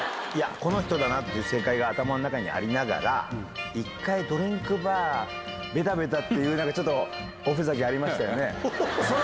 この人だなって正解が頭の中にありながら、一回、ドリンクバー、べたべたっていうおふざけありましたよね。